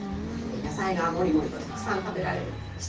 野菜がもりもりとたくさん食べられる１品になってます。